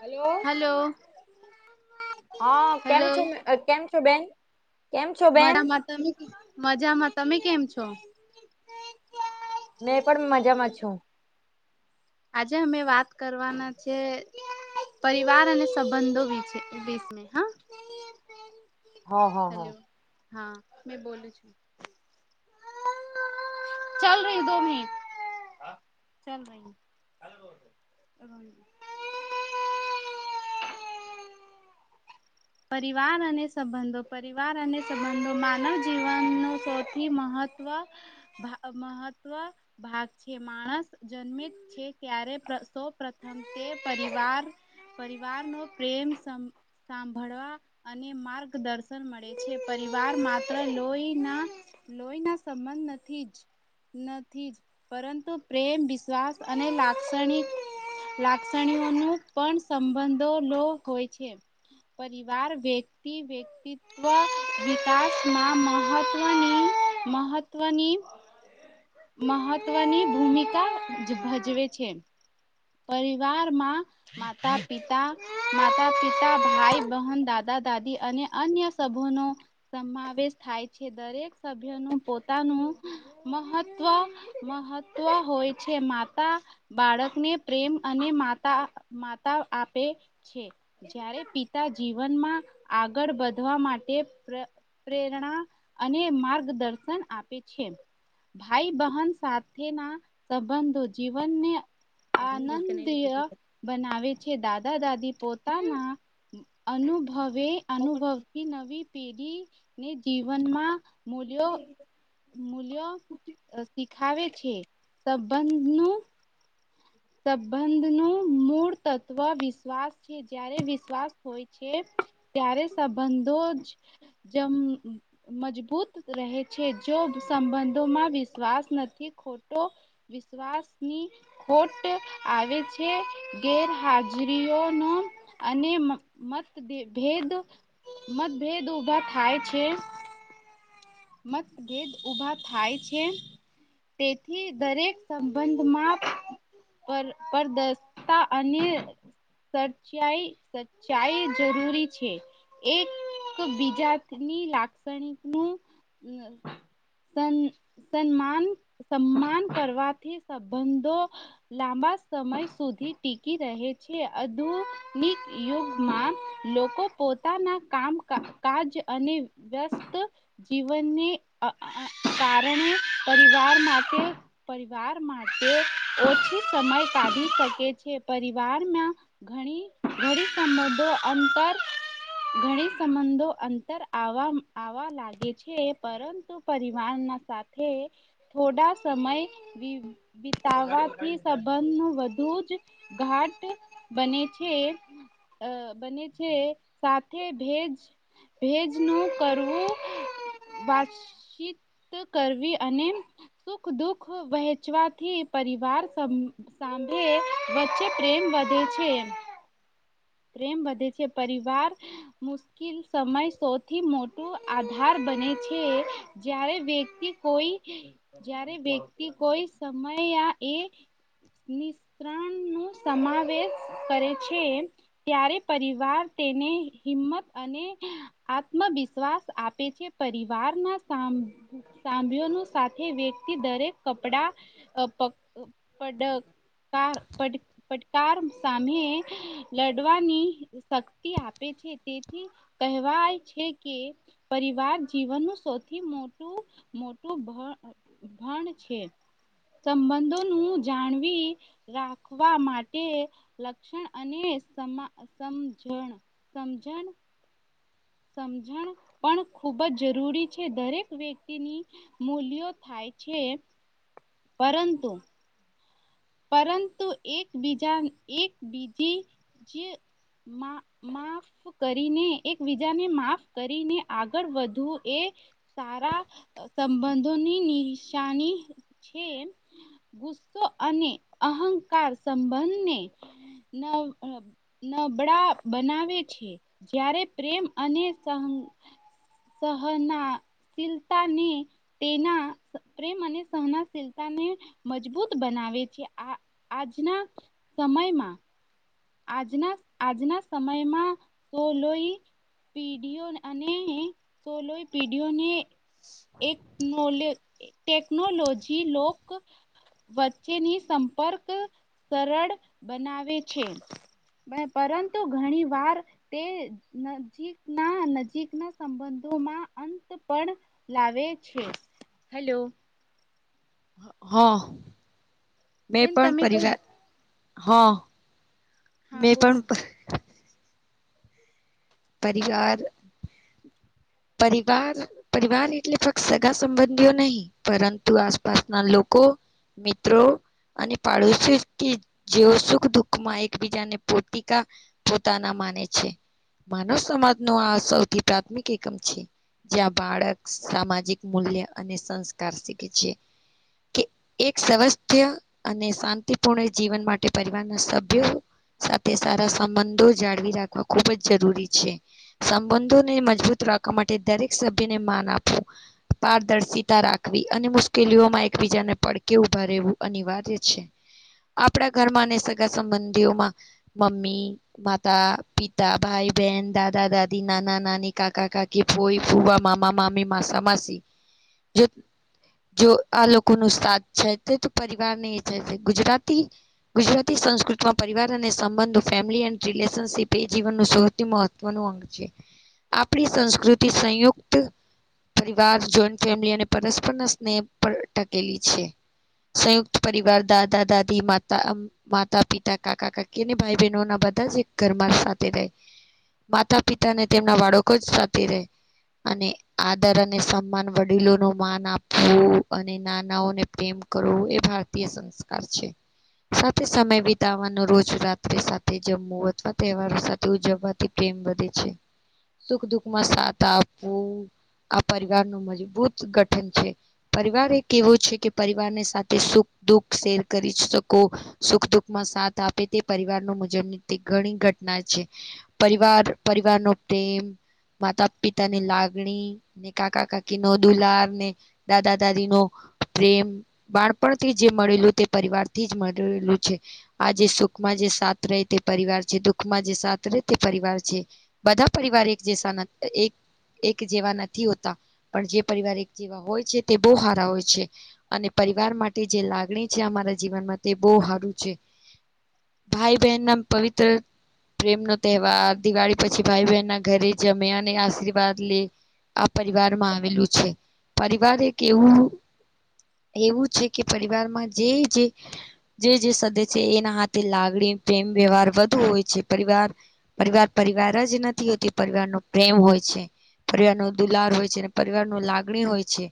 Hello હા hello કેમ છો કેમ છો બેન? કેમ છો બેન મજામાં તમે મજામાં તમે કેમ છો? મેં પણ મજામાં છું. આજે અમે વાત કરવાના છે પરિવાર અને સંબંધો વિશે હા હા હા હા. હેલો હા મેં બોલું છું. ચલ રહી દો મનટ ચલ રહી [unintelligible] હ [inaudible] પરિવાર અને સંબંધો પરિવાર અને સંબંધો માનવ જીવનનું સૌથી મહત્વ મહત્વ ભાગ છે માણસ જરૂરી છે ત્યારે સૌ પ્રથમ તે પરિવાર પરિવાર નો પ્રેમ સાંભળ ભણવા અને માર્ગદર્શન મળે છે પરિવાર માત્ર લોહી ના લોહી ના સંબંધ નથી જ. નથી જ પરંતુ પ્રેમ વિશ્વાસ અને લાક્ષણિક લાક્ષણીઓ ન પણ સંબંધો લો હોય છે. પરિવાર વ્યક્તિ વ્યક્તિ વ વિકાસમાં મહત્ત્વની મહત્ત્વની મહત્વની ભૂમિકા ભજવે છે પરિવારમાં માતા પિતા માતા પિતા ભાઈ બહેન દાદા દાદી અને અન્ય સભ નો સમાવેશ થાય છે દરેક સભ્ય નું પોતાનું મહત્વ મહત્વ હોય છે માતા બાળકને પ્રેમ અને માતા માતા આપે છે જ્યારે પિતા જીવનમાં આગળ વધવા માટે પ્રેરણા અને માર્ગદર્શન આપે છે. ભાઈ બહન સાથેના સંબંધો જીવનને આનંદમય બનાવે છે દાદા દાદી પોતાના અનુભવે અનુભવતી નવી પેઢીને જીવનમાં મૂલ્યો મૂલ્યો શીખાવે છે સંબંધ નું સંબંધ નું મૂળ તત્વ વિશ્વાસ છે જ્યારે વિશ્વાસ હોય છે ત્યારે સંબંધો જ જેમ મજબૂત રહે છે જો સંબંધોમાં વિશ્વાસ નથી ખોટો વિશ્વાસની ખોટ આવે છે ગેરહાજરીઓનો અને મતેભેદ મતભેદ ઉભા થાય છે. મતભેદ ઉભા થાય છે. તેથી દરેક સંબંધમાં પર પરદશતા અને સચ્ચાઈ જરૂરી છે. એક-બીજાની લાક્ષણિકનું સન્માન કરવાથી સંબંધો લાંબા સમય સુધી ટકી રહે છે. આધુનિક યુગમાં લોકો પોતાના કામ-કાજ અને વ્યસ્ત જીવનને કારણે પરિવાર માટે પરિવાર માટે ઓછો સમય કાઢી શકે છે. પરિવારમાં ઘણા સંબંધો અંતર ઘણા સંબંધો અંતર આવવા લાગે છે. પરંતુ પરિવારના સાથે થોડા સમય વિતાવવાથી સંબંધ વધુ જ ઘાટ બને છે. બને છે. સાથે ભેજનું કરવું વાતચિત કરવી અને સુખ-દુઃખ વહેંચવાથી પરિવાર સ સંબંધો વચ્ચે પ્રેમ વધે છે. પ્રેમ વધે છે, પરિવાર મુશ્કેલ સમય સૌથી મોટું આધાર બને છે. જયારે વ્યક્તિ કોઈ જ્યારે વ્યક્તિ કોઈ સમય એ નિસ્તરણ નો સમાવેશ કરે છે. ત્યારે પરિવાર તેને હિંમત અને આત્મવિશ્વાસ આપે છે. પરિવારના સા સભ્યોનું સાથે વ્યક્તિ દરેક કપડાં પડ પડકાર પડકાર સામે લડ લાડવાની શક્તિ આપે છે. તેથી કહેવાય છે કે પરિવાર જીવનનું સૌથી મોટું મોટું ભણ છે સંબંધોનું જાળવી રાખવા માટે લક્ષણ અને સમજણ સમજણ સમજણ પણ ખૂબ જ જરૂરી છે. દરેક વ્યક્તિની મૂલ્યો થાય છે. પરંતુ પરંતુ એકબીજા એક બીજી જે માં માં કરીને એકબીજાને માફ કરીને આગળ વધવું એ સારા સંબંધોની નિશાની છે. ગુસ્સો અને અહંકાર સંબંધને નબળા બનાવે છે જ્યારે પ્રેમ અને સ સહનશિલતાને તેના પ્રેમ અને સહનશીલતાને મજબૂત બનાવે આવે છે. આ આજના સમયમાં આજના સમયમાં તો લોહી પીઢીઓ અને સોલોઈ પીઢીઓને એક ટેકનોલોજી લોક વચ્ચેની સંપર્ક સરળ બનાવે છે. પરંતુ ઘણી વાર તે નજીકના સંબંધોમાં અંત પણ લાવે છે, હેલો. હા મેં બેન પણ તમે કઈ પરિવાર હા હા મે પણ બોલો પરિવાર પરિવાર પરિવાર એટલે ફક્ત સગા સંબંધીઓ નહીં પરંતુ આસપાસના લોકો મિત્રો અને પાડોશ કે જેઓ સુખ દુઃખ માં એકબીજાને પોતીકા પોતાના માને છે માનવ સમાજ નું આ સૌથી પ્રાથમિક એકમ છે જ્યાં બાળક સામાજિક મૂલ્ય અને સંસ્કાર શીખે છે કે [inaudible] એક સ્વાસ્થ્ય અને શાંતિપૂર્ણ જીવન માટે પરિવારના સભ્ય સાથે સારા સંબંધો જાળવી રાખવા ખુબ જ જરૂરી છે સંબંધોને મજબૂત રાખવા માટે દરેક સભ્યને માન આપવું પારદર્શિતા રાખવી અને મુશ્કેલીઓમાં એકબીજાને પડકે ઉભા રહેવું અનિવાર્ય છે આપણા ઘર માં અને સગા સંબંધીઓમાં મમ્મી માતા પિતા ભાઈ બેહેન દાદા દાદી નાના નની કાકા કાકી બઈ પૂવા મામા મામી માશ માસી જે જો આ લોકો ન સાથ છે તો પરિવાર ને એ છે ગુજરાતી ગુજરાતી સંસ્કૃતમાં પરિવાર અને સંબંધો ફેમિલી એડ રિલેશનશીપ એ સૌથી મહત્વનું અંગ છે આપણી સંસ્કૃતિ સંયુક્ત પરિવાર જોઈન્ટ ફેમિલી અને પરસ્પર સ્નેહ ટકેલી છે સંયુક્ત પરિવાર દાદા દાદી માતા માતા પિતા કાકા કાકી અને ભાઈ બહેનો ના બધા જ એક ઘરમાં સાથે રહે માતા પિતા અનેને તેમના બાળકો જ સાથે રહે અને આદર અને સન્માન વડીલો નું માન આપવું અને નાનાઓને પ્રેમ કરવું એ ભારતીય સંસ્કાર છે. સાથે સમય બિતાવાનો રોજ રાત્રિ સાથે જમવું અથવા તહેવારો સાથે ઉજવવાથી પ્રેમ વધે છે સુખ દુખમાં સાથ આપવું. આ પરિવાર નું મજબૂત ગઠન છે. પરિવાર એ કેવો છે કે પરિવારને સાથે સુખ દુઃખ શેર કરી શકો. સુખ દુઃખમાં સાથ આપે તે પરિવાર નુ મુજબ ની તે ઘણી ઘટના છે. પરિવાર, પરિવાર નો પ્રેમ, માતા પિતા ની લાગણી ને કાકા કાકી નો દુલાર ને દાદા દાદી નો પ્રેમ બાળપણથી જે મળેલું તે પરિવારથી જ મળેલું છે. આ જે સુખમાં જે સાથ રહે તે પરિવાર છે દુખમાં જે સાથ તે પરિવાર છે બધા પરિવાર એક જેસા એક એક જેવા નથી હોતા પણ જે પરિવાર એક જેવા હોય છે તે બહુ હારા હોય છે. અને પરિવાર માટે જે લાગણી છે અમારા જીવનમાં તે બહુ હારું છે. ભાઈ બહેન ના પવિત્ર પ્રેમનો તહેવાર દિવાળી પછી ભાઈ બહેન ના ઘરે જમ્યા અને આશીર્વાદ લે આ પરિવાર માં આવેલું છે પરિવાર એક એવું એવું છે કે પરિવારમાં જે જે જે જે સદસ્ય છે એના હાથે લાગણી પ્રેમ વ્યવહાર વધુ હોય છે. પરિવાર પરિવાર પરિવાર જ નથી હોતી પરિવાર નો પ્રેમ હોય છે. પરિવાર નો દુલાર હોય છે, અને પરિવાર નો લાગણી હોય છે.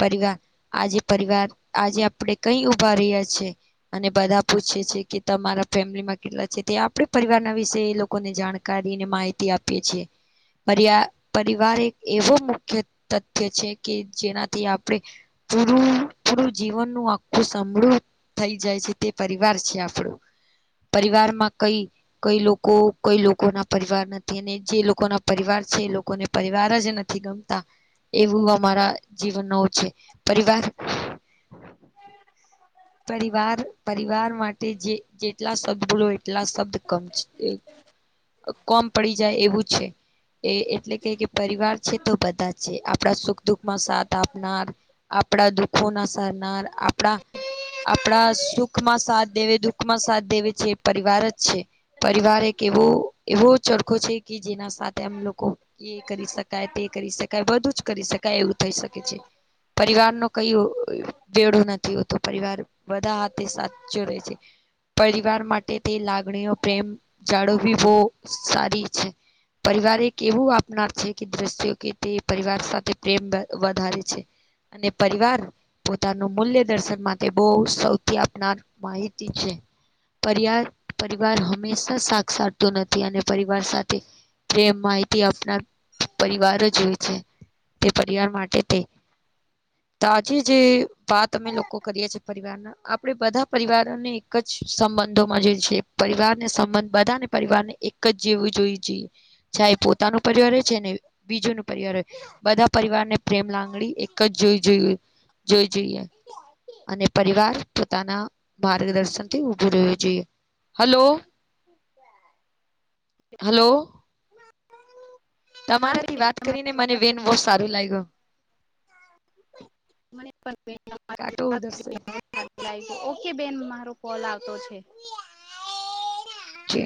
પરિવાર આજે પરિવાર આજે આપડે કઈ ઉભા રહ્યા છે? અને બધા પૂછે છે કે તમારા ફેમિલીમાં કેટલા છે તે આપે પરિવાર ના વિશે એ લોકોને જાણકારી ને માહિતી આપીએ છીએ. પર પરિવાર એક એવો મુખ્ય તથ્ય છે કે જેનાથી આપણે પૂરું પૂરું જીવનનું આખું [inaudible] થઈ જાય છે તે પરિવાર છે આપણું પરિવારમાં કઈ કઈ લોકો કઈ લોકો ના પરિવાર નથી અને જે લોકો ના પરિવાર છે એ લોકોને પરિવાર જ નથી ગમતા એવું અમારા જીવન નો છે પરિવાર પરિવાર પરિવાર માટે જે જેટલા સદગુણો એટલા શબ્દ કમ કોમ પડી જાય એવું છે. એ એટલે કે કે પરિવાર છે તો બધા છે આપડા સુખ દુખમાં સાથ આપનાર આપણા દુઃખો ના સારનાર આપણા આપણા સુખમાં સાથ દેવે દુઃખમાં સાથ દેવે છે એ પરિવાર જ છે. પરિવાર એક એવો એવો ચરખો છે કે જેના સાથે એમ લોકો એ કરી શકાય તે કરી શકાય બધું જ કરી શકાય એવું થઈ શકે છે. પરિવાર નુ કઈ તેડું નથી હોતુ પરિવાર બધા હાથે સાચો રહે છે. પરિવાર માટે તે લાગણીઓ પ્રેમ જાળવવી બહુ સારી છે. પરિવાર એક એવું આપનાર છે કે દ્રશ્યો કે તે પરિવાર સાથે પ્રેમ વધારે છે. અને પરિવાર પોતાનું મૂલ્ય દર્શન માટે બહુ સૌથી આપનાર માહિતી છે. પરિર પરિવાર હંમેશા સાક્ષરતું નથી અને પરિવાર સાથે પ્રેમ માહિતી આપનાર પરિવાર જ હોય છે. તે પરિવાર માટે તે તાજે જે વાત અમે લોકો કરીએ છીએ. પરિવાર ના આપડે બધા પરિવારને એક જ સંબંધોમાં જે છે પરિવારને સંબંધ બધાને પરિવારને એક એક જ જેવું જોઈ જઈએ ચાહે પોતાનું પરિવાર હોય છે ને બીજું ન પરિવાર હોય. બધા પરિવારને પ્રેમ લાગણી એક જ જોઈ જોય જોઈ જોઈએ. અને પરિવાર પોતાના માર્ગદર્શનથી ઉભું રહેવું જોઈએ હલો અચ હાલો. હા તમારાથી બેન વાત કરીને તમારી મને વાત બેન કરીને બહુ મને સારું લાગ્યું. મને પણ બેન [inaudible] કાટો ઉધરસે ય ઓકે બેન મારો કોલ આવતો છે. છે.